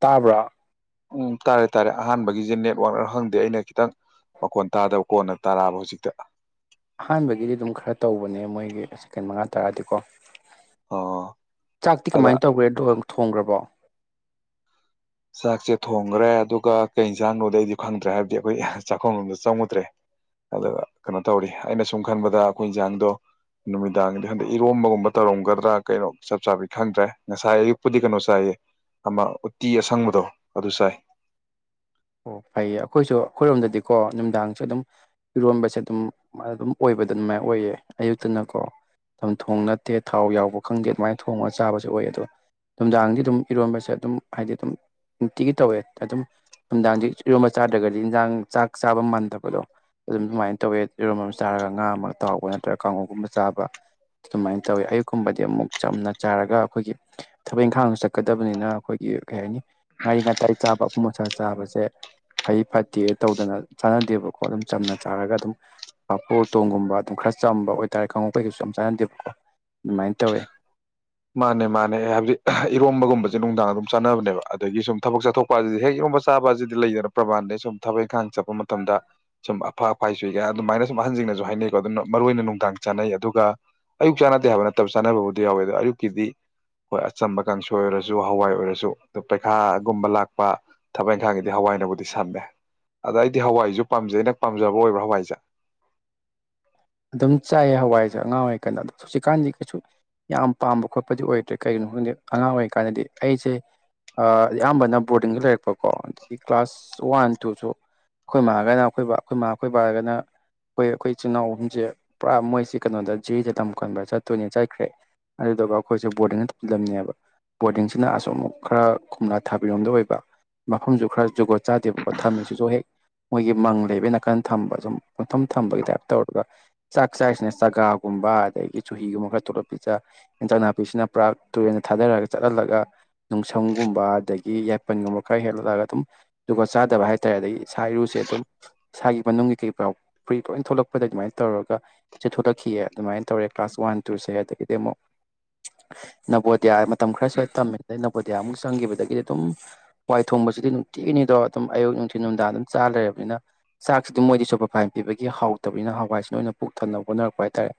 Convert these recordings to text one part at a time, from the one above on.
ꯇꯥꯕ꯭ꯔꫭ ꯎꯝ ꯇꯥꯔꯦ ꯇꯥꯔꯦ ꯑꯍꯥꯟꯕꯒꯤꯁꯦ ꯅꯦꯠꯋꯥꯛꯔ ꯈꯪꯗꯦ ꯑꯩꯅ ꯈꯤꯇꯪ ꯃꯈꯣꯟ ꯇꯥꯗꯕ ꯀꯣꯟꯅ ꯇꯥꯔꯛꯑꯕ ꯍꯧꯖꯤꯛꯇ ꯑꯍꯥꯟꯕꯒꯤꯗꯤ ꯑꯗꯨꯝ ꯈꯔ ꯇꯧꯕꯅꯦ ꯃꯣꯏꯒꯤ ꯁꯦꯀꯦꯟ ꯃꯉꯥ ꯇꯔꯥꯗꯤꯀꯣ ꯑꯣ ꯆꯥꯛꯇꯤ ꯑꯗ ꯀꯃꯥꯏꯅ ꯇꯧꯒ꯭ꯔꯦ ꯗ꯭ꯔꫭ ꯊꯣꯡꯈ꯭ꯔꯕꯣ ꯆꯥꯛꯁꯦ ꯊꯣꯡꯈ꯭ꯔꯦ ꯑꯗꯨꯒ ꯀꯩ ꯏꯟꯁꯥꯡꯅꫭꯗꯤ ꯑꯩꯗꯤ ꯈꯪꯗ꯭ꯔꯦ ꯍꯥꯏꯕꯗꯤ ꯑꯩꯈꯣꯏ ꯆꯥꯛꯈꯨꯝꯂꫭꯝꯗ ꯑꯩꯗꯤ ꯆꯪꯉꯨꯗ꯭ꯔꯦ ꯑꯗꯨꯒ ꯀꯩꯅꯣ ꯇꯧꯔꯤ ꯑꯩꯅ ꯁꯨꯝ ꯈꯟꯕꯗ ꯑꯩꯈꯣꯏ ꯏꯟꯁꯥꯡꯗꯣ ꯅꯨꯃꯤꯗꯥꯡꯒꯤꯗꯤ ꯍꯟꯗꯛ ꯏꯔꯣꯝꯕꯒꯨꯝꯕ ꯇꯧꯔꯝꯒꯗ꯭ꯔꯥ ꯀꯩꯅꯣ ꯆꯞ ꯆꯥꯕꯤꯗꯤ ꯈꯪꯗ꯭ꯔꯦ ꯉꯁꯥꯏ ꯑꯌꯨꯛꯄꯨꯗꯤ ꯀꯩꯅꯣ ꯆꯥꯏꯌꯦ ꯑꯃ ꯎꯇꯤ ꯑꯁ ꯪꯕꯗꯣ ꯑꯗꯨ ꯆꯥꯏ ꯑꯣ ꯐꯩꯌꯦ ꯑꯩꯈꯣꯏꯁꯨ ꯑꯩꯈꯣꯏꯔꯣꯝꯗꯗꯤꯀꯣ ꯅꯨꯡꯗꯥꯡꯁꯦ ꯑꯗꯨꯝ ꯏꯔꯣꯟꯕꯁꯦ ꯑꯗꯨꯝ ꯑꯗꯨꯝ ꯑꯣꯏꯕꯗ ꯑꯗꯨꯃꯥꯏꯅ ꯑꯣꯏꯌꯦ ꯑꯌꯨꯛꯇꯅꯀꯣ ꯆꯝꯊꯣꯡ ꯈꯪꯗꯦ ꯊꯥꯎ ꯌꯥꯎꯕ ꯈꯪꯗꯦ ꯑꯗꯨꯃꯥꯏꯅ ꯊꯣꯡꯉꯒ ꯆꯥꯕꯁꯨ ꯑꯣꯏꯌꯦ ꯑꯗꯣ ꯅꯨꯡꯗꯥꯡꯗꯤ ꯑꯗꯨꯝ ꯏꯔꯣꯟꯕꯁꯦ ꯑꯗꯨꯝ ꯍꯥꯏꯗꯤ ꯑꯗꯨꯝ ꯅꯨꯡꯇꯤꯒꯤ ꯇꯧꯋꯦ ꯑꯗꯨꯝ ꯅꯨꯡꯗꯥꯡꯗꯤ ꯏꯔꯣꯝꯝꯕ ꯆꯥꯗ꯭ꯔꯒꯗꯤ ꯏꯟꯖꯥꯡ ꯆꯥꯛ ꯆꯥꯕ ꯃꯥꯟꯗꯕꯗꯣ ꯑꯗꯨꯝ ꯑꯗꯨꯃꯥꯏꯅ ꯇꯧꯋꯦ ꯏꯔꯣꯝ ꯑꯃ ꯆꯥꯔꯒ ꯉꯥ ꯑꯃ ꯇꯥꯎꯕ ꯅꯠꯇ꯭ꯔꯒ ꯀꯥꯡꯉꯧꯒꯨꯝꯕ ꯆꯥꯕ ꯑꯗꯨꯃꯥꯏꯅ ꯇꯧꯋꯦ ꯑꯌꯨꯛꯀꯨꯝꯕꯗꯤ ꯑꯃꯨꯛ ꯆꯝꯅ ꯆꯥꯔꯒ ꯑꯩꯈꯣꯏꯒꯤ ꯊꯕꯛ ꯏꯪꯈꯥꯡꯁꯨ ꯆꯠꯀꯗꯕꯅꯤꯅ ꯑꯩꯈꯣꯏꯒꯤ ꯀꯩ ꯍꯥꯏꯅꯤ ꯉꯥꯔꯤ ꯉꯥꯇꯥꯏ ꯆꯥꯕ ꯑꯄꯨꯝ ꯑꯁꯥ ꯆꯥꯕꯁꯦ ꯐꯩ ꯐꯠꯇꯦ ꯇꯧꯗꯅ ꯆꯥꯅꯗꯦꯕꯀꯣ ꯑꯗꯨꯝ ꯆꯝꯅ ꯆꯥꯔꯒ ꯑꯗꯨꯝ ꯄꯥꯐꫭꯔ ꯎꯇꯣꯡꯒꯨꯝꯕ ꯑꯗꯨꯝ ꯈꯔ ꯆꯝꯕ ꯑꯣꯏꯇꯥꯔꯦ ꯀꯥꯡꯉ ꯀꯩꯀꯩꯁꯨ ꯑꯝ ꯆꯥꯅꯗꯦꯕꯀꯣ ꯑꯗꯨꯃꯥꯏꯅ ꯇꯧꯋꯦ ꯃꯥꯅꯦ ꯃꯥꯅꯦ ꯑꯦ ꯍꯥꯏꯕꯗꯤ ꯏꯔꯣꯝꯕꯒꯨꯝꯁꯦ ꯅꯨꯡꯗꯥꯡ ꯑꯗꯨꯝ ꯆꯥꯅꯕꯅꯦꯕ ꯑꯗꯒꯤ ꯁꯨꯝ ꯊꯕꯛ ꯆꯥꯊꯣꯛꯄ ꯍꯥꯏꯁꯤꯗꯤ ꯍꯦꯛ ꯏꯔꯣꯝꯕ ꯆꯥꯕꯁꯤꯗꯤ ꯂꯩꯗꯅ ꯄ꯭ꯔꯃꯥꯟꯗꯩ ꯁꯨꯝ ꯊꯕꯛ ꯏꯪꯈꯥꯡ ꯆꯠꯄ ꯃꯇꯝꯗ ꯁꯨꯝ ꯑꯐꯥ ꯑꯐꯥꯏꯆꯨꯏ ꯀꯥꯏꯅ ꯑꯗꯨꯃꯥꯏꯅ ꯁꯨꯝ ꯑꯍꯟꯁꯤꯡꯅꯁꯨ ꯍꯥꯏꯅꯩꯀꯣ ꯑꯗꯨꯅ ꯃꯔꯨꯏ ꯑꯣꯏꯅ ꯅꯨꯡꯗꯥꯡ ꯆꯥꯅꯩ ꯑꯗꯨꯒ ꯑꯌꯨꯛ ꯆꯥꯟꯅꯗꯦ ꯍꯥꯏꯕ ꯅꯠꯇꯕ ꯆꯥꯅꯕꯕꯨꯗꯤꯎꯋꯦꯗꯣ ꯑꯌꯨꯛ ꯀꯗꯤ ꯍꯣꯏ ꯑꯆꯝꯕ ꯀꯥꯡꯁꯣꯏ ꯑꯣꯏꯔꯁꯨ ꯍꯋꯥꯏ ꯑꯣꯏꯔꯁꯨ ꯗꯣ ꯄꯩꯈꯥꯒꯨꯝꯕ ꯂꯥꯛꯄ ꯊꯕꯛ ꯏꯪꯈꯥꯡꯒꯤꯗꯤ ꯍꯋꯥꯏꯅꯕꯨꯗꯤ ꯁꯝꯃꯦ ꯑꯗ ꯑꯩꯗꯤ ꯍꯋꯥꯏꯁꯨ ꯄꯥꯝꯖꯩ ꯑꯩꯅ ꯄꯥꯝꯖꯕ ꯑꯣꯏꯕ ꯍꯋꯥꯏꯁꯦ ꯑꯗꯨꯝ ꯆꯥꯏꯌꯦ ꯍꯋꯥꯏꯁꯦ ꯑꯉꯥꯡ ꯑꯣꯏꯔꯤꯀꯥꯟꯗ ꯑꯗꯣ ꯍꯧꯖꯤꯛꯀꯥꯟꯗꯤ ꯀꯩꯁꯨ ꯌꯥꯝ ꯄꯥꯝꯕ ꯈꯣꯠꯄꯗꯤ ꯑꯣꯏꯗ꯭ꯔꯦ ꯀꯩꯒꯤꯅꯣ ꯈꯪꯗꯦ ꯑꯉꯥꯡ ꯑꯣꯏꯔꯤꯀꯥꯟꯗꯗꯤ ꯑꯩꯁꯦ ꯑ ꯑꯌꯥꯝꯕꯅ ꯕꯣꯔꯗꯤꯡꯗ ꯂꯩꯔꯛꯄꯀꯣ ꯑꯗꯒꯤ ꯀ꯭ꯂꯥꯁ ꯋꯥꯟ ꯇꯨꯁꯨ ꯑꯩꯈꯣꯏ ꯃꯥꯒꯅ ꯑꯩꯈꯣꯏ ꯕꯥꯒꯅ ꯑꯩꯈꯣꯏ ꯃꯥꯥ ꯑꯩꯈꯣꯏ ꯕꯥꯔꯒꯅ ꯑꯩꯈꯣꯏ ꯑꯩꯈꯣꯏ ꯏꯆꯤꯜ ꯏꯅꯥꯎ ꯑꯍꯨꯝꯁꯦ ꯄꯨꯔꯥ ꯃꯣꯏꯁꯤ ꯀꯩꯅꯣꯗ ꯖꯤꯔꯤꯗ ꯇꯝ ꯀꯟꯕ ꯆꯠꯇꯣꯏꯅꯦ ꯆꯠꯈ꯭ꯔꯦ ꯑꯗꯨꯗꯨꯒ ꯑꯩꯈꯣꯏꯁꯦ ꯕꯣꯔꯗꯤꯡꯗ ꯊꯝꯂꯝꯃꯤꯕꯅꯦꯕ ꯕꯣꯔꯗꯤꯡꯁꯤꯅ ꯑꯁꫭꯝ ꯑꯃꯨꯛ ꯈꯔ ꯀꫭꯝꯂꯥꯊꯥꯕꯤꯔꯣꯝꯗ ꯑꯣꯏꯕ ꯃꯐꯝꯁꯨ ꯈꯔ ꯖꯨꯒꫭꯠ ꯆꯥꯗꯦꯕꯀꯣ ꯊꯝꯃꯤꯁꯤꯁꯨ ꯍꯦꯛ ꯃꯣꯏꯒꯤ ꯃꯪ ꯂꯩꯕ ꯅꯥꯀꯟ ꯊꯝꯕ ꯁꯨꯝ ꯄꯨꯡꯊꯝ ꯊꯝꯕꯒꯤ ꯇꯥꯏꯞ ꯇꯧꯔꯒ ꯆꯥꯛ ꯆꯥꯏꯔꯤꯁꯤꯅ ꯆꯥꯒꯥꯒꯨꯝꯕ ꯑꯗꯒꯤ ꯆꯨꯍꯤꯒꯨꯝꯕ ꯈꯔ ꯊꯣꯠꯂ ꯄꯤꯖ ꯏꯟꯖꯥꯡ ꯅꯥꯄꯤꯁꯤꯅ ꯄꯨꯔꯥ ꯇꯨꯔꯦꯜꯗ ꯊꯥꯗꯔꯒ ꯆꯠꯍꯜꯂꯒ ꯅꯨꯡꯁꯝꯒꯨꯝꯕ ꯑꯗꯒꯤ ꯌꯥꯏꯄꯟꯒꯨꯝꯕ ꯈꯔ ꯍꯦꯜꯍꯜꯂꯒ ꯑꯗꯨꯝ ꯑꯗꯨꯒ ꯖꯨꯒꫭꯠ ꯆꯥꯗꯕ ꯍꯥꯏꯇꯥꯔꯦ ꯑꯗꯒꯤ ꯏꯁ ꯏꯔꯨꯁꯦ ꯑꯗꯨꯝ ꯏꯁꯥꯒꯤ ꯃꯅꯨꯡꯒꯤ ꯀꯩ ꯄꯨꯔꯥ ꯐꯨꯔꯤ ꯀ ꯂꯣꯏꯅ ꯊꯣꯛꯂꯛ ꯑꯩꯈꯣꯏꯗ ꯑꯗꯨꯃꯥꯏꯅ ꯇꯧꯔꯒ ꯁꯦ ꯊꯣꯛꯂꯛꯈꯤꯌꯦ ꯑꯗꯨꯃꯥꯏꯅ ꯇꯧꯔꯦ ꯀ꯭ꯂꯥꯁ ꯋꯥꯟ ꯇꯨꯁꯦ ꯑꯗꯒꯤꯗꯤ ꯑꯃꯨꯛ ꯅꯕꯣꯗꯤꯌꯥ ꯃꯇꯝ ꯈꯔ ꯁ꯭ꯋꯥꯏꯗ ꯇꯝꯃꯤ ꯑꯗꯩ ꯅꯕꯣꯗꯤꯌꯥꯃꯨꯛ ꯆꯪꯈꯤꯕꯗꯒꯤꯗꯤ ꯑꯗꯨꯝ ꯍꯋꯥꯏ ꯊꯣꯡꯕꯁꯤꯗꯤ ꯅꯨꯡꯇꯤꯒꯤꯅꯤꯗꯣ ꯑꯗꯨꯝ ꯑꯌꯨꯛ ꯅꯨꯡꯊꯤꯟ ꯅꯨꯡꯗꯥꯡ ꯑꯗꯨꯝ ꯆꯥ ꯂꯩꯔꯕꯅꯤꯅ ꯆꯥꯛꯁꯤꯗꯤ ꯃꯣꯏꯗꯤ ꯁꯨꯄꯔ ꯐꯥꯏꯟ ꯄꯤꯕꯒꯤ ꯍꯥꯎ ꯇꯕꯅꯤꯅ ꯍꯋꯥꯏꯁꯤꯅ ꯑꯣꯏꯅ ꯄꯨꯛ ꯊꯟꯅꯕ ꯍꯣꯠꯅꯔꯛꯄ ꯍꯥꯏꯇꯥꯔꯦ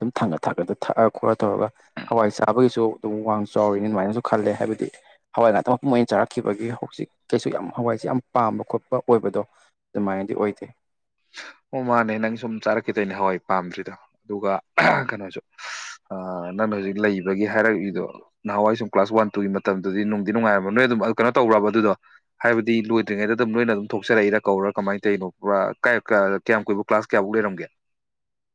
ꯑꯗꯨꯝ ꯊꯥꯡꯒꯠ ꯊꯥꯡꯒꯠꯇꯅ ꯊꯛꯑ ꯈꯣꯠ ꯂ ꯇꯧꯔꯒ ꯍꯋꯥꯏ ꯆꯥꯕꯒꯤꯁꯨ ꯑꯗꯨꯝ ꯋꯥꯡ ꯆꯥꯎꯔꯤꯅꯤ ꯑꯗꯨꯃꯥꯏꯅꯁꯨ ꯈꯜꯂꯦ ꯍꯥꯏꯕꯗꯤ ꯍꯋꯥꯏ ꯉꯥꯛꯇꯪ ꯃꯄꯨꯡ ꯑꯣꯏꯅ ꯆꯥꯔꯛꯈꯤꯕꯒꯤ ꯍꯧꯖꯤꯛ ꯀꯩꯁꯨ ꯌꯥꯝ ꯍꯋꯥꯏꯁꯦ ꯌꯥꯝ ꯄꯥꯝꯕ ꯈꯣꯠꯄ ꯑꯣꯏꯕꯗꯣ ꯑꯗꯨꯃꯥꯏꯅꯗꯤ ꯑꯣꯏꯗꯦ ꯑꯣ ꯃꯥꯅꯦ ꯅꯪ ꯁꯨꯝ ꯆꯥꯔꯛꯈꯤ ꯇꫭꯏꯅꯦ ꯍꯋꯥꯏ ꯄꯥꯝꯗ꯭ꯔꯤꯗꫭ ꯑꯗꯨꯒ ꯑ ꯀꯩꯅꯣꯁꯨ ꯑ ꯅꯪꯅ ꯍꯧꯖꯤꯛ ꯂꯩꯕꯒꯤ ꯍꯥꯏꯔꯛꯏꯗꯣ ꯅꯍꯥꯟꯋꯥꯏ ꯁꯨꯝ ꯀ꯭ꯂꯥꯁ ꯋꯥꯟ ꯇꯨꯒꯤ ꯃꯇꯝꯗꯨꯗꯤ ꯅꯨꯡꯗꯤ ꯅꯨꯡꯉꯥꯏꯔꯃꯣꯏ ꯑꯗꯨꯝ ꯀꯩꯅꯣ ꯇꯧꯔꯕ ꯑꯗꯨꯗꯣ ꯍꯥꯏꯕꯗꯤ ꯂꯣꯏꯗ꯭ꯔꯤꯉꯩꯗ ꯑꯗꯨꯝ ꯅꯣꯏꯅ ꯑꯗꯨꯝ ꯊꯣꯛꯆꯔꯛꯏꯔ ꯀꯧꯔꯥ ꯀꯃꯥꯏꯅ ꯇꯧꯔꯤꯅꯣ ꯄꯨꯔꯥ ꯀꯥꯏ ꯀ ꯀꯌꯥꯝ ꯀꯨꯏꯕꯧ ꯀ꯭ꯂꯥꯁ ꯀꯌꯥꯐꯧ ꯂꯩꯔꯝꯒꯦ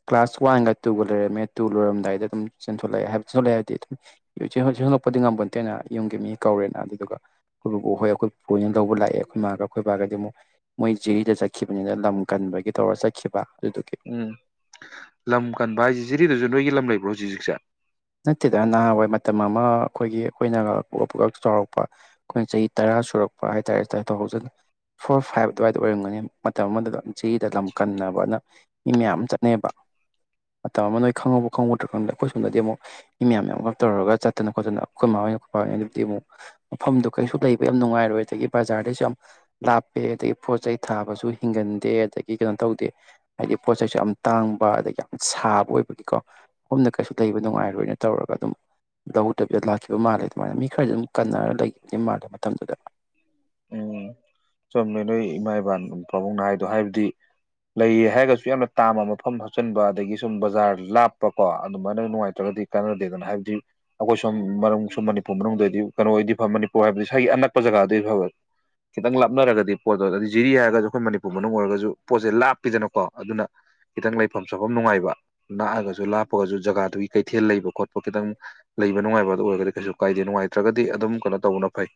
ꯀ꯭ꯂꯥꯁ ꯋꯥꯟꯒ ꯇꯨꯒ ꯂꯩꯔꯝꯃꯦ ꯇꯨ ꯂꯣꯏꯔꯝꯗꯥꯏꯗ ꯑꯗꯨꯝ ꯆꯦꯟꯊꯣꯛꯂꯛꯑꯦ ꯍꯥꯏꯕ ꯆꯦꯟꯊꫭꯂꯛꯑꯦ ꯍꯥꯏꯕꯗꯤ ꯑꯗꯨꯝ ꯆꯦꯟꯂꯛꯄꯗꯤ ꯉꯝꯕꫭꯟꯇꯦꯅ ꯌꯨꯝꯒꯤ ꯃꯤ ꯀꯧꯔꯦꯅ ꯑꯗꯨꯗꯨꯒ ꯑꯩꯈꯣꯏ ꯕꯨꯕꫭꯛ ꯍꯣꯏ ꯑꯩꯈꯣꯏ ꯄꯨꯄꯨ ꯍꫭꯏꯅ ꯂꯧꯕ ꯂꯥꯛꯑꯦ ꯑꯩꯈꯣꯏ ꯏꯃꯥꯒ ꯑꯩꯈꯣꯏ ꯕꯥꯒꯗꯤ ꯑꯃꯨꯛ ꯃꯣꯏ ꯖꯤꯔꯤꯗ ꯆꯠꯈꯤꯕꯅꯤꯅ ꯂꯝ ꯀꯟꯕꯒꯤ ꯇꯧꯔ ꯆꯠꯈꯤꯕ ꯑꯗꯨꯗꯨ ꯎꯝ ꯂꯝ ꯀꯟꯕ ꯍꯥꯏꯁ‌ꯦ ꯖꯤꯔꯤꯗꯁꯨ ꯅꯣꯏꯒꯤ ꯂꯝ ꯂꯩꯕ꯭ꯔꯣ ꯍꯧꯖꯤꯛ ꯍꯧꯖꯤꯛꯁꯦ ꯅꯠꯇꯦꯗ ꯅꯍꯥꯟꯋꯥꯏ ꯃꯇꯝ ꯑꯃ ꯑꯩꯈꯣꯏꯒꯤ ꯑꯩꯈꯣꯏꯅ ꯄꯨꯡ ꯀꯛ ꯄꯨꯡ ꯀꯛ ꯆꯥꯎꯔꯛꯄ ꯑꯩꯈꯣꯏꯅ ꯆꯍꯤ ꯇꯔꯥ ꯁꯨꯔꯛꯄ ꯍꯥꯏꯇꯥꯔꯦꯗ ꯇꯨ ꯊꯥꯎꯖꯟ ꯐꯣꯔ ꯐꯥꯏꯚ ꯑꯗꯨꯋꯥꯏꯗ ꯑꯣꯏꯔꯝꯒꯅꯤ ꯃꯇꯝ ꯑꯃꯗꯨꯗ ꯆꯍꯤꯗ ꯂꯝ ꯀꯟꯅꯕꯅ ꯃꯤ ꯃꯌꯥꯝ ꯑꯃ ꯆꯠꯅꯩꯕ ꯃꯇꯝ ꯑꯃ ꯅꯣꯏ ꯈꯪꯍꯧꯕ ꯈꯪꯍꯧꯗ꯭ꯔꯥ ꯈꯪꯗꯦ ꯑꯩꯈꯣꯏ ꯁꯣꯝꯗꯗꯤ ꯑꯃꯨꯛ ꯃꯤ ꯃꯌꯥꯝ ꯌꯥꯝꯒꯞ ꯇꯧꯔꯒ ꯆꯠꯇꯅ ꯈꯣꯠꯇꯅ ꯑꯩꯈꯣꯏ ꯃꯥꯍꯣꯏ ꯈꯣꯏꯕꯥ ꯍꯣꯏꯅꯗꯤ ꯑꯃꯨꯛ ꯃꯐꯝꯗꯣ ꯀꯩꯁꯨ ꯂꯩꯕ ꯌꯥꯝ ꯅꯨꯡꯉꯥꯏꯔꯣꯏ ꯑꯗꯒꯤ ꯕꯖꯥꯔꯗꯩꯁꯨ ꯌꯥꯝ ꯂꯥꯞꯄꯦ ꯑꯗꯒꯤ ꯄꯣꯠ ꯆꯩꯩ ꯊꯥꯕꯁꯨ ꯍꯤꯡꯒꯟꯗꯦ ꯑꯗꯒꯤ ꯀꯩꯅꯣ ꯇꯧꯗꯦ ꯍꯥꯏꯗꯤ ꯄꯣꯠ ꯆꯩꯩꯁꯨ ꯌꯥꯝ ꯇꯥꯡꯕ ꯑꯗꯒꯤ ꯌꯥꯝ ꯁꯥꯕ ꯑꯣꯏꯕꯒꯤꯀꯣ ꯃꯐꯝꯗ ꯀꯩꯁꯨ ꯂꯩꯕ ꯅꯨꯡꯉꯥꯏꯔꯣꯏ ꯂꯣꯏꯅ ꯇꯧꯔꯒ ꯑꯗꯨꯝ ꯂꯧꯗꯕꯤꯗ ꯂꯥꯛꯈꯤꯕ ꯃꯥꯜꯂꯦ ꯑꯗꯨꯃꯥꯏꯅ ꯃꯤ ꯈꯔꯗꯤ ꯑꯗꯨꯝ ꯀꯟꯅꯔ ꯂꯩꯈꯤꯕ ꯃꯥꯜꯂꯦ ꯃꯇꯝꯗꯨꯗ ꯎꯝ ꯆꯨꯝꯃꯦ ꯅꯣꯏ ꯏꯃꯥ ꯏꯕꯥ ꯄꯥꯕꯨꯡꯅ ꯍꯥꯏꯕꯗꯣ ꯍꯥꯏꯕꯗꯤ ꯂꯩꯌꯦ ꯍꯥꯏꯔꯒꯁꯨ ꯌꯥꯝꯅ ꯇꯥꯝꯕ ꯃꯐꯝ ꯍꯥꯞꯆꯤꯟꯕ ꯑꯗꯒꯤ ꯁꯨꯝ ꯕꯖꯥꯔ ꯂꯥꯞꯄꯀꯣ ꯑꯗꯨꯃꯥꯏꯅ ꯅꯨꯡꯉꯥꯏꯇ꯭ꯔꯒꯗꯤ ꯀꯥꯟꯅꯗꯦꯗꯅ ꯍꯥꯏꯕꯗꯤ ꯑꯩꯈꯣꯏ ꯁꫭꯝ ꯃꯅꯨꯡ ꯁꯨꯝ ꯃꯅꯤꯄꯨꯔ ꯃꯅꯨꯡꯗꯗꯤ ꯀꯩꯅꯣ ꯑꯣꯏꯗꯤ ꯐ ꯃꯅꯤꯄꯨꯔ ꯍꯥꯏꯕꯗꯤ ꯁꯥꯏꯒꯤ ꯑꯅꯛꯄ ꯖꯒꯥꯗꯗꯤ ꯐꯕ ꯈꯤꯇꯪ ꯂꯥꯞꯅꯔꯒꯗꯤ ꯄꯣꯠꯇꯣ ꯑꯗꯨꯗꯤ ꯖꯤꯔꯤ ꯍꯥꯏꯔꯒꯁꯨ ꯑꯩꯈꯣꯏ ꯃꯅꯤꯄꯨꯔ ꯃꯅꯨꯡ ꯑꯣꯏꯔꯒꯁꯨ ꯄꯣꯠꯁꯦ ꯂꯥꯞꯄꯤꯗꯅꯀꯣ ꯑꯗꯨꯅ ꯈꯤꯇꯪ ꯂꯩꯐꯝ ꯆꯥꯐꯝ ꯅꯨꯡꯉꯥꯏꯕ ꯅꯛꯑꯒꯁꯨ ꯂꯥꯞꯄꯒꯁꯨ ꯖꯒꯥꯗꯨꯒꯤ ꯀꯩꯊꯦꯜ ꯂꯩꯕ ꯈꯣꯠꯄ ꯈꯤꯇꯪ ꯂꯩꯕ ꯅꯨꯡꯉꯥꯏꯕ ꯑꯗꯨ ꯑꯣꯏꯔꯒꯗꯤ ꯀꯩꯁꯨ ꯀꯥꯏꯗꯦ ꯅꯨꯡꯉꯥꯏꯇ꯭ꯔꯒꯗꯤ ꯑꯗꯨꯝ ꯀꯩꯅꯣ ꯇꯧꯕꯅ ꯐꯩ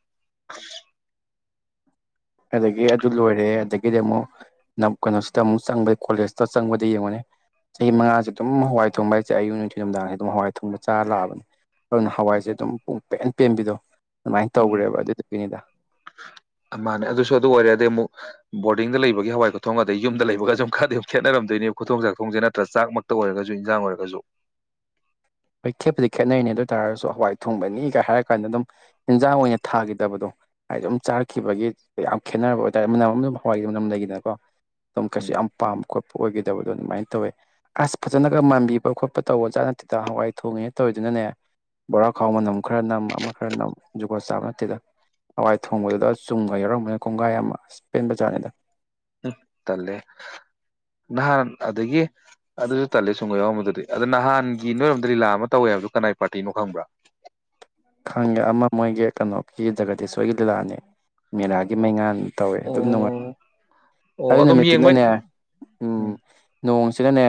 ꯑꯗꯒꯤ ꯑꯗꯨ ꯂꯣꯏꯔꯦ ꯑꯗꯒꯤꯗꯤ ꯑꯃꯨꯛ ꯅ ꯀꯩꯅꯣꯁꯤꯗ ꯑꯃꯨꯛ ꯆꯪꯕ ꯀꯣꯂꯦꯖꯇ ꯆꯪꯕꯗ ꯌꯦꯡꯉꯨꯅꯦ ꯆꯍꯤ ꯃꯉꯥꯁꯦ ꯑꯗꯨꯝ ꯍꯋꯥꯏ ꯊꯣꯡꯕ ꯍꯥꯏꯁꯦ ꯑꯌꯨꯛ ꯅꯤꯡꯊꯤ ꯅꯨꯡꯗꯥꯡꯁꯦ ꯑꯗꯨꯝ ꯍꯋꯥꯏ ꯊꯣꯡꯕ ꯆꯥꯔ ꯂꯥꯛꯑꯕꯅꯤ ꯑꯗꯨꯅ ꯍꯋꯥꯏꯁꯦ ꯑꯗꯨꯝ ꯄꯨꯡ ꯄꯦꯟ ꯄꯦꯟꯕꯤꯗꯣ ꯑꯗꯨꯃꯥꯏꯅ ꯎꯝ ꯇꯧꯈ꯭ꯔꯦꯕ ꯑꯗꯨꯗꯨꯒꯤꯅꯤꯗ ꯁꯨ ꯑꯗꯨ ꯑꯣꯏꯔꯦ ꯑꯗꯩ ꯑꯃꯨꯛ ꯕꯣꯔꯗꯤꯡꯗ ꯂꯩꯕꯒꯤ ꯍꯋꯥꯏ ꯈꯨꯊꯣꯡꯒ ꯑꯗꯩ ꯌꯨꯝꯗ ꯂꯩꯕꯒꯁꯨꯨꯝ ꯈꯔꯗꯤ ꯑꯗꯨꯝ ꯈꯦꯠꯅꯔꯝꯗꯣꯏꯅꯦꯕ ꯈꯨꯊꯣꯡ ꯆꯥꯛꯊꯣꯡꯁꯦ ꯅꯠꯇ꯭ꯔ ꯆꯥꯛꯃꯛꯇ ꯑꯣꯏꯔꯒꯁꯨ ꯏꯟꯁꯥꯡ ꯑꯣꯏꯔꯒꯁꯨ ꯍꯣꯏ ꯈꯦꯠꯄꯗꯤ ꯈꯦꯠꯅꯔꯤꯅꯦ ꯑꯗꯨ ꯑꯣꯏ ꯇꯥꯔꯒꯁꯨ ꯍꯋꯥꯏ ꯊꯣꯡꯕꯅꯤꯒ ꯍꯥꯏꯔ ꯀꯥꯟꯗ ꯑꯗꯨꯝ ꯌꯦꯟꯖꯥꯡ ꯑꯣꯏꯅ ꯊꯥꯈꯤꯗꯕꯗꯣ ꯍꯥꯏꯗꯤ ꯑꯗꯨꯝ ꯆꯥꯔꯛꯈꯤꯕꯒꯤ ꯌꯥꯝ ꯈꯦꯠꯅꯕ ꯑꯣꯏꯇꯥꯔꯦ ꯃꯅꯝ ꯑꯃꯝ ꯗꯨꯝ ꯍꯋꯥꯏꯒꯤ ꯃꯅꯝ ꯂꯩꯈꯤꯗꯅꯀꯣ ꯇꯝ ꯀꯩꯁꯨ ꯎꯝ ꯌꯥꯝ ꯄꯥꯝ ꯈꯣꯠꯄ ꯑꯣꯏꯒꯗꯕꯗꯣ ꯑꯗꯨꯃꯥꯏꯅ ꯇꯧꯋꯦ ꯑꯁ ꯐꯖꯅꯒ ꯃꯥꯟꯕꯤꯕ ꯈꯣꯠꯄ ꯇꯧꯕꯖꯥꯠꯅꯠꯇꯤꯅ ꯍꯋꯥꯏ ꯊꯣꯡꯉꯤꯅꯦ ꯇꯧꯔꯤꯗꯨꯅꯅꯦ ꯕꯣꯔꯥꯈꯥꯎ ꯃꯅꯝ ꯈꯔ ꯅꯝ ꯑꯃ ꯈꯔ ꯅꯝ ꯖꯨꯒꯣꯠ ꯆꯥꯕ ꯅꯠꯇꯦꯗ ꯍꯋꯥꯏ ꯊꯣꯡꯕꯗꯨꯗ ꯆꯨꯝꯒ ꯌꯥꯎꯔꯝꯕꯅ ꯀꯣꯡꯒꯥꯏ ꯑꯃ ꯑꯁ ꯄꯦꯟꯕꯖꯥꯠꯅꯤꯗ ꯎꯝ ꯇꯜꯂꯦ ꯅꯍꯥꯟ ꯑꯗꯒꯤ ꯑꯗꯨꯁꯨ ꯇꯜꯂꯦ ꯆꯨꯝꯒ ꯌꯥꯎꯔꯝꯕꯗꯨꯗꯤ ꯑꯗꯣ ꯅꯍꯥꯟꯒꯤ ꯅꯣꯏꯔꯣꯝꯗ ꯂꯤꯂꯥ ꯑꯃ ꯇꯧꯋꯦ ꯍꯥꯏꯕꯗꯣ ꯀꯅꯥꯏ ꯄꯥꯔꯇꯤꯅꯣ ꯈꯪꯕ꯭ꯔꯥ ꯈꯪꯒꯦ ꯑꯃ ꯃꯣꯏꯒꯤ ꯀꯩꯅꯣꯒꯤ ꯖꯒꯗꯦꯁꯣꯔꯒꯤ ꯂꯤꯂꯥꯅꯤ ꯃꯦꯔꯥꯒꯤ ꯃꯩꯉꯥꯟ ꯇꯧꯋꯦ ꯑꯗꯨꯝ ꯅꯨꯡꯉꯥꯏ ꯑꯣ ꯑꯣ ꯑꯗꯨ ꯑꯗꯨꯝ ꯌꯦꯡꯕꯩ ꯅꯨꯃꯤꯠꯇꯨꯅꯅꯦ ꯎꯝ ꯅꯣꯡꯁꯤꯅꯅꯦ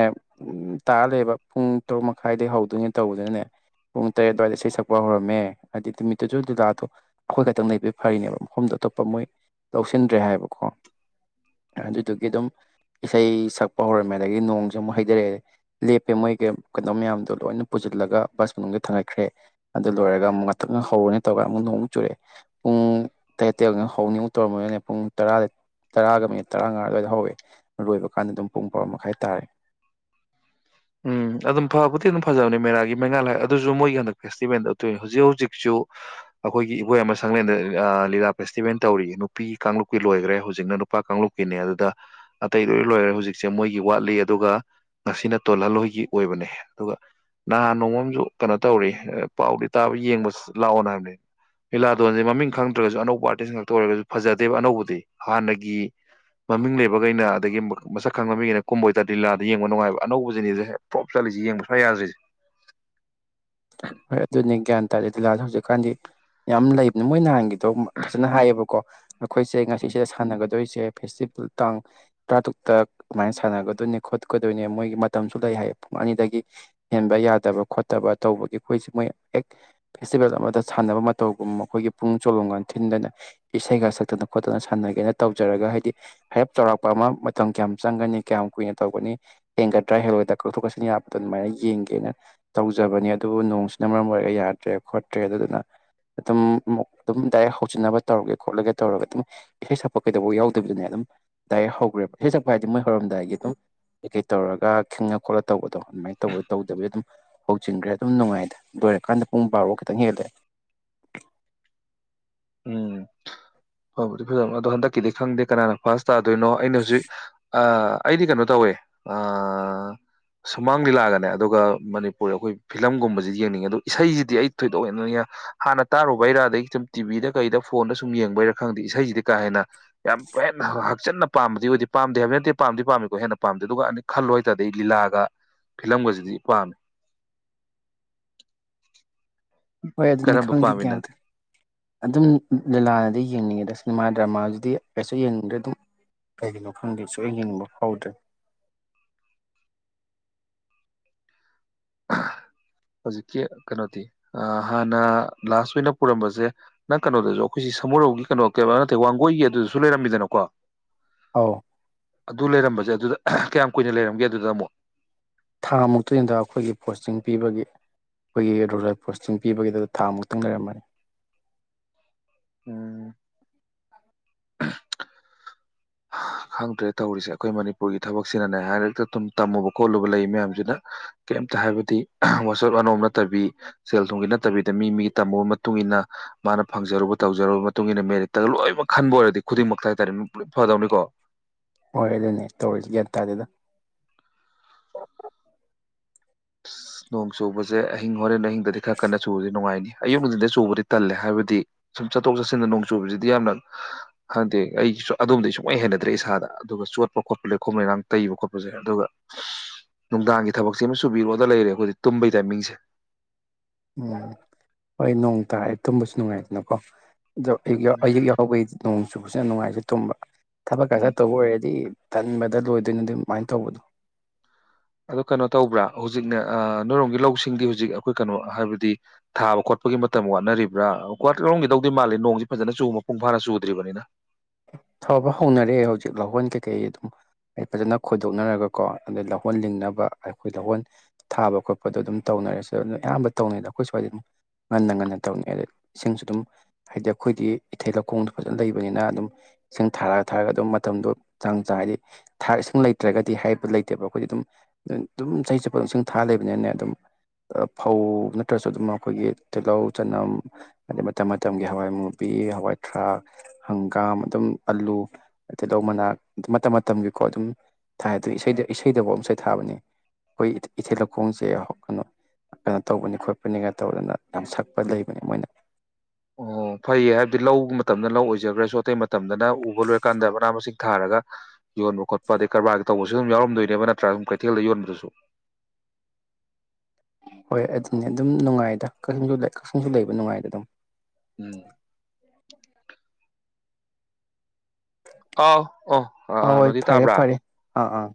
ꯇꯥꯔ ꯂꯩꯕ ꯄꯨꯡ ꯇꯔꯨꯛ ꯃꯈꯥꯏꯗꯒꯤ ꯍꯧꯗꯣꯏꯅꯦ ꯇꯧꯕꯗꯨꯅꯅꯦ ꯄꯨꯡ ꯇꯔꯦꯠ ꯑꯗꯨꯋꯥꯏꯗ ꯏꯁꯩ ꯁꯛꯄ ꯍꯧꯔ ꯃꯦ ꯍꯥꯏꯗꯤ ꯅꯨꯃꯤꯠꯇꯨꯁꯨ ꯂꯤꯂꯥꯗꯣ ꯑꯩꯈꯣꯏ ꯈꯛꯇꯪ ꯂꯩꯕ ꯐꯔꯤꯅꯦꯕ ꯃꯐꯝꯗꯣ ꯑꯇꯣꯞꯄ ꯃꯣꯏ ꯂꯧꯁꯤꯟꯗ꯭ꯔꯦ ꯍꯥꯏꯕꯀꯣ ꯑꯗꯨꯗꯨꯒꯤ ꯑꯗꯨꯝ ꯏꯁꯩ ꯁꯛꯄ ꯍꯧꯔꯝꯃꯦ ꯑꯗꯒꯤ ꯅꯣꯡꯁꯨ ꯑꯃꯨꯛ ꯍꯩꯊꯔꯛꯑꯦ ꯂꯦꯞꯄꯦ ꯃꯣꯏꯒꯤ ꯀꯩꯅꯣ ꯃꯌꯥꯝꯗꯣ ꯂꯣꯏꯅ ꯄꯨꯁꯤꯜꯂꯒ ꯕꯁ ꯃꯅꯨꯡꯗ ꯊꯥꯡꯒꯠꯈ꯭ꯔꯦ ꯑꯗꯨꯗ ꯂꯣꯏꯔꯒ ꯑꯃꯨꯛ ꯉꯥꯛꯇꯛ ꯍꯧꯔꯅꯦ ꯇꯧꯔꯒ ꯑꯃꯨꯛ ꯅꯣꯡꯃꯨꯛ ꯆꯨꯔꯛꯑꯦ ꯄꯨꯡ ꯇꯔꯦꯠ ꯇꯩ ꯍꯧꯅꯤꯃꯨꯛ ꯇꯧꯔꯝꯕꯒꯅꯦ ꯄꯨꯡ ꯇꯔꯥꯗ ꯇꯔꯥꯒ ꯃꯤꯅꯤꯠ ꯇꯔꯥꯃꯉꯥ ꯑꯗꯨꯋꯥꯏꯗ ꯍꯧꯋꯦ ꯂꯣꯏꯕ ꯀꯥꯟꯗ ꯑꯗꯨꯝ ꯄꯨꯡ ꯚꯥꯔꯣ ꯃꯈꯥꯏ ꯇꯥꯔꯦ ꯎꯝ ꯑꯗꯨꯝ ꯐꯕꯨꯗꯤ ꯑꯗꯨꯝ ꯐꯖꯕꯅꯦ ꯃꯦꯔꯥꯒꯤ ꯃꯩꯉꯥꯜ ꯍꯥꯏ ꯑꯗꯨꯁꯨ ꯃꯣꯏꯒꯤ ꯍꯟꯗꯛ ꯐꯦꯁꯇꯤꯚꯦꯜꯗ ꯎꯠꯇꯨꯏꯅꯦ ꯍꯧꯖꯤꯛ ꯍꯧꯖꯤꯛꯁꯨ ꯑꯩꯈꯣꯏꯒꯤ ꯏꯕꯣꯌꯥꯏꯃ ꯁꯪꯂꯦꯟꯗ ꯂꯤꯂꯥ ꯐꯦꯁꯇꯤꯚꯦꯜ ꯇꯧꯔꯤ ꯅꯨꯄꯤ ꯀꯥꯡꯂꯨꯞꯀꯤ ꯂꯣꯏꯈ꯭ꯔꯦ ꯍꯧꯖꯤꯛꯅ ꯅꯨꯄꯥ ꯀꯥꯡꯂꯨꯞꯀꯤꯅꯦ ꯑꯗꯨꯗ ꯑꯇꯩ ꯂꯣꯏ ꯂꯣꯏꯈ꯭ꯔꯦ ꯍꯧꯖꯤꯛꯁꯦ ꯃꯣꯏꯒꯤ ꯋꯥꯠꯂꯤ ꯑꯗꯨꯒ ꯉꯁꯤꯅ ꯇꯣꯜꯍꯜꯂꯣꯏꯒꯤ ꯑꯣꯏꯕꯅꯦ ꯑꯗꯨꯒ ꯅꯍꯥꯟ ꯅꯣꯡꯃꯝꯁꯨ ꯀꯩꯅꯣ ꯇꯧꯔꯤ ꯄꯥꯎꯗꯤ ꯇꯥꯕ ꯌꯦꯡꯕ ꯂꯥꯛꯑꯣꯅ ꯍꯥꯏꯕꯅꯦ ꯂꯤꯂꯥꯗꯣꯟꯁꯦ ꯃꯃꯤꯡ ꯈꯪꯗ꯭ꯔꯒꯁꯨ ꯑꯅꯧꯕ ꯑꯥꯔꯇꯤꯁ ꯉꯥꯛꯇ ꯑꯣꯏꯔꯒꯁꯨ ꯐꯖꯗꯦꯕ ꯑꯅꯧꯕꯗꯤ ꯍꯥꯟꯅꯒꯤ ꯃꯃꯤꯡ ꯂꯩꯕꯈꯩꯅ ꯑꯗꯒꯤ ꯃꯁꯛ ꯈꯪꯕ ꯃꯤꯈꯩꯅ ꯀꯨꯝꯕ ꯑꯣꯏꯇꯥꯔꯗꯤ ꯂꯤꯂꯥꯗ ꯌꯦꯡꯕ ꯅꯨꯡꯉꯥꯏꯕ ꯑꯅꯧꯕꯁꯤꯅꯤꯁꯦ ꯍꯦꯛ ꯄꯂꯣꯞ ꯆꯠꯂꯤꯁ ꯌꯦꯡꯕ ꯁ꯭ꯋꯥ ꯌꯥꯗ꯭ꯔꯤꯁꯦ ꯍꯣꯏ ꯑꯗꯨꯅꯤ ꯒ꯭ꯌꯥꯟ ꯇꯥꯗꯦ ꯂꯤꯂꯥꯁꯦ ꯍꯧꯖꯤꯛꯀꯥꯟꯗꯤ ꯌꯥꯝ ꯂꯩꯕꯅꯦ ꯃꯣꯏ ꯅꯍꯥꯟꯒꯤꯗꯣ ꯐꯖꯅ ꯍꯥꯏꯌꯦꯕꯀꯣ ꯑꯩꯈꯣꯏꯁꯦ ꯉꯁꯤꯁꯤꯗ ꯁꯥꯟꯅꯒꯗꯣꯏꯁꯦ ꯐꯦꯁꯇꯤꯚꯦꯜ ꯇꯥꯡ ꯇꯔꯥꯇꯔꯨꯛꯇ ꯑꯗꯨꯃꯥꯏꯅ ꯁꯥꯟꯅꯒꯗꯣꯏꯅꯦ ꯈꯣꯠꯀꯗꯣꯏꯅꯦ ꯃꯣꯏꯒꯤ ꯃꯇꯝꯁꯨ ꯂꯩ ꯍꯥꯏꯌꯦ ꯄꯨꯡ ꯑꯅꯤꯗꯒꯤ ꯍꯦꯟꯕ ꯌꯥꯗꯕ ꯈꯣꯠꯇꯕ ꯇꯧꯕꯒꯤ ꯑꯩꯈꯣꯏꯁꯦ ꯃꯣꯏ ꯍꯦꯛ ꯐꯦꯁꯇꯤꯚꯦꯜ ꯑꯃꯗ ꯁꯥꯟꯅꯕ ꯃꯇꯧꯒꯨꯝꯕ ꯑꯩꯈꯣꯏꯒꯤ ꯄꯨꯡ ꯆꯣꯂꯣꯝꯒꯥꯟ ꯊꯤꯟꯗꯅ ꯏꯁꯩꯒ ꯁꯛꯇꯅ ꯈꯣꯠꯇꯅ ꯁꯥꯟꯅꯒꯦꯅ ꯇꯧꯖꯔꯒ ꯍꯥꯏꯗꯤ ꯍꯥꯏꯔꯦꯞ ꯆꯥꯎꯔꯥꯛꯄ ꯑꯃ ꯃꯇꯝ ꯀꯌꯥꯝ ꯆꯪꯒꯅꯤ ꯀꯌꯥꯝ ꯀꯨꯏꯅ ꯇꯧꯒꯅꯤ ꯍꯦꯟꯒꯗ꯭ꯔꯥ ꯍꯦꯜꯂꯣꯏꯗ꯭ꯔꯥ ꯀꯛꯊꯣꯛ ꯀꯥꯁꯤꯟ ꯌꯥꯕꯗ ꯑꯗꯨꯃꯥꯏꯅ ꯌꯦꯡꯒꯦꯅ ꯇꯧꯖꯕꯅꯤ ꯑꯗꯨꯕꯨ ꯅꯣꯡꯁꯤꯅ ꯃꯔꯝ ꯑꯣꯏꯔꯒ ꯌꯥꯗ꯭ꯔꯦ ꯈꯣꯠꯇ꯭ꯔꯦ ꯑꯗꯨꯗꯨꯅ ꯑꯗꯨꯝꯛ ꯑꯗꯨꯝ ꯗꯥꯏꯔꯦꯛ ꯍꯧꯖꯤꯟꯅꯕ ꯇꯧꯔꯒꯦ ꯈꯣꯠꯂꯒꯦ ꯇꯧꯔꯒ ꯑꯗꯨꯝ ꯏꯁꯩ ꯁꯛꯄ ꯀꯩꯗꯐꯥꯎ ꯌꯥꯎꯗꯕꯤꯗꯨꯅꯦ ꯑꯗꯨꯝ ꯗꯥꯏꯔꯦꯛ ꯍꯧꯈ꯭ꯔꯦꯕ ꯏꯁꯩ ꯁꯛꯄ ꯍꯥꯏꯗꯤ ꯃꯣꯏ ꯍꯧꯔꯝꯗꯥꯏꯒꯤ ꯑꯗꯨꯝ ꯀꯩꯀꯩ ꯇꯧꯔꯒ ꯈꯪꯉ ꯈꯣꯠꯂ ꯇꯧꯕꯗꯣ ꯑꯗꯨꯃꯥꯏꯅ ꯇꯧꯕ ꯇꯧꯗꯕꯗꯤ ꯑꯗꯨꯝ ꯍꯧꯖꯤꯟꯈ꯭ꯔꯦ ꯑꯗꯨꯝ ꯅꯨꯡꯉꯥꯏꯗ ꯑꯗꯨꯣꯏꯔꯀꯥꯟꯗ ꯄꯨꯡ ꯕꯥꯔꯣ ꯈꯤꯇꯪ ꯍꯦꯜꯂꯛꯑꯦ ꯎꯝ ꯐꯕꯨꯗꯤ ꯐꯖꯕꯅꯦ ꯑꯗꯣ ꯍꯟꯗꯛꯀꯤꯗꯤ ꯈꯪꯗꯦ ꯀꯅꯥꯅ ꯐꯥꯔꯁ ꯇꯥꯗꯣꯏꯅꯣ ꯑꯩꯅ ꯍꯧꯖꯤꯛ ꯑꯩꯗꯤ ꯀꯩꯅꯣ ꯇꯧꯋꯦ ꯁꯨꯃꯥꯡ ꯂꯤꯂꯥꯒꯅꯦ ꯑꯗꯨꯒ ꯃꯅꯤꯄꯨꯔ ꯑꯩꯈꯣꯏ ꯐꯤꯂꯝꯒꯨꯝꯕꯁꯤꯗꯤ ꯌꯦꯡꯅꯤꯡꯉꯦ ꯑꯗꯣ ꯏꯁꯩꯁꯤꯗꯤ ꯑꯩ ꯊꯣꯏꯗꯣꯛ ꯍꯦꯟ ꯍꯥꯟꯅ ꯇꯥꯔꯨꯕꯩꯔꯥ ꯑꯗꯩ ꯁꯨꯝ ꯇꯤꯚꯤꯗ ꯀꯩꯗ ꯐꯣꯟꯗ ꯁꯨꯝ ꯌꯦꯡꯕꯩꯔ ꯈꯪꯗꯦ ꯏꯁꯩꯁꯤꯗꯤ ꯀꯥ ꯍꯦꯟꯅ ꯌꯥꯝ ꯍꯦꯟꯅ ꯍꯛꯆꯤꯟꯅ ꯄꯥꯝꯕꯗꯤ ꯑꯣꯏꯗꯦ ꯄꯥꯝꯗꯦ ꯍꯥꯏꯕꯗꯤ ꯅꯠꯇꯦ ꯄꯥꯝꯗꯤ ꯄꯥꯝꯃꯤꯀꯣ ꯍꯦꯟꯅ ꯄꯥꯝꯗꯦ ꯑꯗꯨꯒ ꯑꯩꯅ ꯈꯜꯂꯨ ꯍꯥꯏꯇꯥꯥꯔꯗꯤ ꯑꯩ ꯂꯤꯂꯥꯒ ꯐꯤꯂꯝꯒꯁꯤꯗꯤ ꯄꯥꯝꯃꯤ ꯍꯣꯏ ꯑꯗꯨꯅꯤ ꯀꯔꯝꯕ ꯈꯪꯗꯦ ꯅꯪꯗꯤ ꯒ꯭ꯌꯥꯟ ꯇꯥꯗꯦ ꯑꯗꯨꯝ ꯂꯤꯂꯥꯅꯗꯤ ꯌꯦꯡꯅꯤꯡꯉꯦꯗꯁꯦ ꯁꯤꯅꯦꯃꯥ ꯗ꯭ꯔꯃꯥꯁꯤꯗꯤ ꯀꯩꯁꯨ ꯌꯦꯡꯅꯤꯡꯗ꯭ꯔꯦ ꯑꯗꯨꯝ ꯀꯩꯒꯤꯅꯣ ꯈꯪꯗꯦ ꯁꯨꯡ ꯌꯦꯡꯅꯤꯡꯕ ꯐꯥꯎꯗ꯭ꯔꯦ ꯍꯧꯖꯤꯛꯀꯤ ꯀꯩꯅꯣꯗꯤ ꯍꯥꯟꯅ ꯂꯥꯁ ꯑꯣꯏꯅ ꯄꯨꯔꯝꯕꯁꯦ ꯅꯪ ꯀꯩꯅꯣꯗꯁꯨ ꯑꯩꯈꯣꯏꯁꯤ ꯁꯃꯨꯔꯧꯒꯤ ꯀꯩꯅꯣ ꯀ ꯅꯠꯇꯦ ꯋꯥꯡꯒꯣꯏꯒꯤ ꯑꯗꯨꯗꯁꯨ ꯂꯩꯔꯝꯃꯤꯗꯅꯀꯣ ꯑꯥꯎ ꯑꯗꯨ ꯂꯩꯔꯝꯕꯁꯦ ꯑꯗꯨꯗ ꯀꯌꯥꯝ ꯀꯨꯏꯅ ꯂꯩꯔꯝꯒꯦ ꯑꯗꯨꯗ ꯑꯃꯨꯛ ꯊꯥ ꯃꯨꯛꯇꯗ ꯑꯩꯈꯣꯏꯒꯤ ꯄꯣꯁꯇꯤꯡ ꯄꯤꯕꯒꯤ ꯑꯩꯈꯣꯏꯒꯤ ꯔꯨꯠ ꯄꯣꯁꯇꯤꯡ ꯄꯤꯕꯒꯤꯗꯨ ꯊꯥ ꯃꯨꯛꯇꯪ ꯂꯩꯔꯝꯃꯅꯤ ꯎꯝ [inaudible] [inaudible] ꯈꯪꯗ꯭ꯔꯦ ꯇꯧꯔꯤꯁꯦ ꯑꯩꯈꯣꯏ ꯃꯅꯤꯄꯨꯔꯒꯤ ꯊꯕꯛꯁꯤꯅꯅꯦ ꯍꯥꯏꯔꯛꯇ ꯑꯗꯨꯨꯝ ꯇꯝꯃꯨꯕ ꯈꯣꯠꯂꯨꯕ ꯂꯩ ꯃꯌꯥꯝꯁꯤꯅ ꯀꯩꯝꯇ ꯍꯥꯏꯕꯗꯤ ꯋꯥꯆꯣꯠ ꯑꯅꯣꯝ ꯅꯠꯇꯕꯤ ꯁꯦꯜ ꯊꯨꯝꯒꯤ ꯅꯠꯇꯕꯤꯗ ꯃꯤ ꯃꯤꯒꯤ ꯇꯝꯃꯨꯕ ꯃꯇꯨꯡ ꯏꯟꯅ ꯃꯥꯅ ꯐꯪꯖꯔꯨꯕ ꯇꯧꯖꯔꯨꯕ ꯃꯇꯨꯡ ꯏꯟꯅ ꯃꯦꯔꯤꯠꯇꯒ ꯂꯣꯏꯅꯃꯛ ꯈꯟꯕ ꯑꯣꯏꯔꯗꯤ ꯈꯨꯗꯤꯡꯃꯛꯇ ꯍꯥꯏꯇꯥꯔꯦ ꯃꯤ ꯂꯣꯏ ꯐꯗꯧꯅꯤꯀꯣ ꯑꯣꯏ ꯑꯗꯨꯅꯦ ꯇꯧꯔꯤꯒ꯭ ꯇꯥꯗꯗ ꯅꯣꯡ ꯆꯨꯕꯁꯦ ꯑꯍꯤꯡ ꯍꯣꯔꯦꯟ ꯅꯍꯤꯡ ꯑꯗꯤ ꯈꯔ ꯀꯟꯅ ꯁꯨꯕꯁꯤꯗꯤ ꯅꯨꯡꯉꯥꯏꯅꯤ ꯑꯌꯨꯛꯅꯨꯡꯁꯤꯟꯗ ꯆꯨꯕꯗꯤ ꯇꯜꯂꯦ ꯍꯥꯏꯕꯗꯤ ꯁꯨꯝ ꯆꯠꯊꯣꯛ ꯆꯠꯁꯤꯟꯗ ꯅꯣꯡ ꯆꯨꯕꯁꯤꯗꯤ ꯌꯥꯝꯅ ꯍꯪꯗꯤ ꯑꯩꯒꯤꯁꯨ ꯑꯗꯣꯝꯗꯤ ꯁꯨꯡꯂꯩ ꯍꯦꯟꯅꯗ꯭ꯔꯦ ꯏꯁꯥꯗ ꯑꯗꯨꯒ ꯆꯣꯠꯄ ꯈꯣꯠꯄ ꯂꯩꯈꯣꯝ ꯂꯩꯔꯥꯡ ꯇꯩꯕ ꯈꯣꯠꯄꯁꯦ ꯑꯗꯨꯒ ꯅꯨꯡꯗꯥꯡꯒꯤ ꯊꯕꯛꯁ ꯁꯨꯕꯤꯔꯣꯑꯣꯗ ꯂꯩꯔꯦ ꯑꯩꯈꯣꯏꯗꯤ ꯇꯨꯝꯕꯒꯤ ꯇꯥꯏꯃꯤꯡꯁꯦ ꯎꯝ ꯍꯣꯏ ꯅꯣꯡ ꯇꯥꯔꯑꯦ ꯇꯨꯝꯕꯁꯨ ꯅꯨꯡꯉꯥꯏꯗꯅꯀꯣ ꯑꯏ ꯌꯥꯕꯩꯣꯡ ꯑꯁꯨ ꯐꯖꯅ ꯅꯨꯡꯉꯥꯏꯖ ꯇꯨꯝꯕ ꯊꯕꯛꯀ ꯎꯝ ꯈꯔ ꯇꯧꯕ ꯑꯣꯏꯔꯗꯤ ꯇꯟꯕꯗ ꯂꯣꯏꯗꯣꯏꯅ ꯑꯗꯨ ꯑꯗꯨꯃꯥꯏꯅ ꯇꯧꯕꯗꯣ ꯑꯗꯣ ꯀꯩꯅꯣ ꯇꯧꯕ꯭ꯔꯥ ꯍꯧꯖꯤꯛꯅꯦ ꯅꯣꯏꯔꯣꯡꯝꯒꯤ ꯂꯧꯁꯤꯡꯗꯤ ꯍꯧꯖꯤꯛ ꯑꯩꯈꯣꯏ ꯀꯩꯅꯣ ꯍꯥꯏꯕꯗꯤ ꯊꯥꯕ ꯈꯣꯠꯄꯒꯤ ꯃꯇꯝ ꯋꯥꯠꯅꯔꯤꯕ꯭ꯔꯥ ꯂꯧꯣꯝꯒꯤꯗꯧꯗꯤ ꯃꯥꯜꯜꯂꯤꯦ ꯅꯣꯡꯁꯤ ꯐꯖꯅ ꯆꯨꯕ ꯃꯄꯨꯡ ꯐꯥꯅ ꯆꯨꯗ꯭ꯔꯤꯕꯅꯤꯅ ꯐꯕ ꯍꯧꯅꯔꯑꯦ ꯍꯧꯖꯤꯛ ꯂꯍꯣꯟ ꯀꯩꯀꯩ ꯑꯗꯨꯝ ꯐꯖꯅ ꯈꯣꯏꯗꯣꯛꯅꯔꯒꯀꯣ ꯑꯗꯩ ꯂꯧꯍꯣꯟ ꯂꯤꯡꯅꯕ ꯑꯩꯈꯣꯏ ꯂꯍꯣꯟ ꯊꯥꯕ ꯈꯣꯠꯄꯗꯣ ꯑꯗꯨꯝ ꯇꯧꯅꯔꯦꯁꯨ ꯑꯗꯨ ꯑꯌꯥꯝꯕ ꯇꯧꯅꯩꯗ ꯑꯩꯈꯣꯏ ꯁ꯭ꯋꯥꯏꯗ ꯑꯗꯨꯝ ꯉꯟꯅ ꯉꯟꯅ ꯇꯧꯅꯩꯑꯦ ꯑꯗꯩ ꯏꯁꯤꯡꯁꯨ ꯑꯗꯨꯝ ꯍꯥꯏꯗꯤ ꯑꯩꯈꯣꯏꯗꯤ ꯏꯊꯩ ꯂꯧꯈꯣꯡꯗꯣ ꯐꯖꯅ ꯂꯩꯕꯅꯤꯅ ꯑꯗꯨꯝ ꯏꯁꯤꯡ ꯊꯥꯔꯒ ꯊꯥꯔꯒ ꯑꯗꯨꯝ ꯃꯇꯝꯗꯣ ꯆꯥꯡ ꯆꯥ ꯍꯥꯏꯗꯤꯥ ꯏꯁꯤꯡ ꯂꯩꯇ꯭ꯔꯒꯗꯤ ꯍꯥꯏꯄ ꯂꯩꯇꯦꯕ ꯑꯩꯈꯣꯏꯗꯤ ꯑꯗꯨꯝ ꯑꯗꯨꯝ ꯆꯍꯤ ꯆꯠꯄ ꯑꯗꯨꯝ ꯏꯁꯤꯡ ꯊꯥꯔ ꯂꯩꯕꯅꯤꯅꯅꯦ ꯑꯗꯨꯝ ꯐꯧ ꯅꯠꯇ꯭ꯔꯁꯨ ꯑꯗꯨꯝ ꯑꯩꯈꯣꯏꯒꯤ ꯇꯤꯜꯍꯧ ꯆꯅꯝ ꯑꯗꯩ ꯃꯇꯝ ꯃꯇꯝꯒꯤ ꯍꯋꯥꯏꯃꯨꯕꯤ ꯍꯋꯥꯏ ꯊꯔꯥꯛ ꯍꯪꯒꯥꯝ ꯑꯗꯨꯝ ꯑꯂꯨ ꯇꯤꯍꯧ ꯃꯅꯥꯛ ꯃꯇꯝ ꯃꯇꯝꯒꯤꯀꯣ ꯑꯗꯨꯝ ꯊꯥꯏ ꯑꯗꯨꯗ ꯏꯁꯩꯗꯐꯧ ꯑꯃꯁ ꯏꯁꯩ ꯊꯥꯕꯅꯤ ꯑꯩꯈꯣꯏ ꯏꯊꯤ ꯂꯧꯈꯣꯡꯁꯦ ꯀꯩꯅꯣ ꯀꯩꯅꯣ ꯇꯧꯕꯅꯤ ꯈꯣꯠꯄꯅꯤꯒ ꯇꯧꯗꯅ ꯌꯥꯝ ꯁꯛꯄ ꯂꯩꯕꯅꯦ ꯃꯣꯏꯅ ꯑꯣ ꯐꯩꯌꯦ ꯍꯥꯏꯕꯗꯤ ꯂꯧ ꯃꯇꯝꯗꯅ ꯂꯧ ꯑꯣꯏꯖꯈ꯭ꯔꯁꯨ ꯑꯇꯩ ꯃꯇꯝꯗꯅ ꯎꯕ ꯂꯣꯏꯔꯀꯥꯟꯗ ꯃꯅꯥ ꯃꯁꯤꯡ ꯊꯥꯔꯒ ꯌꯣꯟꯕ ꯈꯣꯠꯄ ꯑꯗꯩ ꯀꯔꯕꯥꯔꯒꯤ ꯇꯧꯕꯁꯨ ꯑꯗꯨꯝ ꯌꯥꯎꯔꯝꯗꯣꯏꯅꯦꯕ ꯅꯠꯇ꯭ꯔꯥ ꯑꯗꯨꯝ ꯀꯩꯊꯦꯜꯗ ꯌꯣꯟꯕꯗꯨꯁꯨ ꯍꯣꯏ ꯑꯗꯨꯅꯦ ꯑꯗꯨꯝ ꯅꯨꯡꯉꯥꯏꯗ ꯀꯛꯆꯤꯡꯁꯨ ꯀꯛꯆꯤꯡꯁꯨ ꯂꯩꯕ ꯅꯨꯡꯉꯥꯏꯗ ꯑꯗꯨꯝ ꯎꯝ ꯀꯥꯎ ꯍ ꯍꯣꯏ ꯐꯔꯦ ꯐꯔꯦ ꯑꯥ ꯑꯥ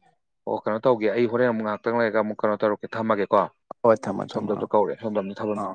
ꯑꯣ ꯀꯩꯅꯣ ꯇꯧꯒ ꯑꯩ ꯍꯣꯔꯦꯟ ꯑꯃꯨꯛ ꯉꯥꯛꯪ ꯂꯩꯔ ꯑꯃꯨꯛ ꯀꯩꯅꯣ ꯇꯧꯔꯀ ꯊꯃꯒꯦ ꯀꯣ ꯍꯣꯏ ꯊꯝꯃꯣ ꯊꯝꯃꯣ ꯁꯣꯝꯗꯞꯇꯣ ꯑꯥ ꯀꯧꯔꯦ ꯁꯣꯝꯗꯞꯅꯤ ꯊꯥꯕꯜꯗꯣ ꯑꯥ